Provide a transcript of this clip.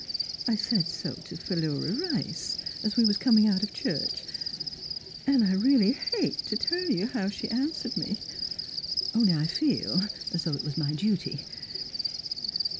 I said so to Philura Rice as we was coming out of church, and I really hate to tell you how she answered me; only I feel as though it was my duty.